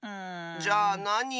じゃあなに？